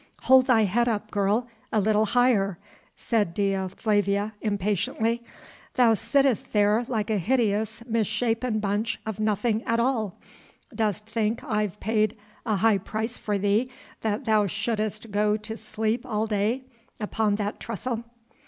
"Hold thy head up, girl, a little higher," said Dea Flavia impatiently; "thou sittest there like a hideous misshapen bunch of nothing at all. Dost think I've paid a high price for thee that thou shouldst go to sleep all day upon that trestle?"